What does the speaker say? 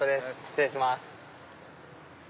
失礼します。